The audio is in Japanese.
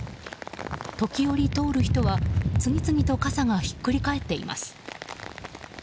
時折通る人は次々と傘がひっくり返っています。